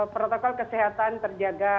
protokol kesehatan terjaga